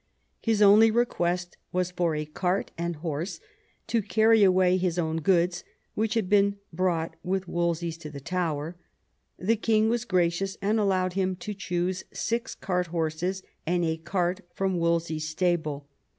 His only request was for a cart and horse to carry away his own goods, which had been brought with Wolsey's to the Tower. The king was gracious, and allowed him to choose six cart horses and a cart from Wolsey's stable.